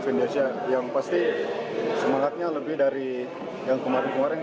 indonesia yang pasti semangatnya lebih dari yang kemarin kemarin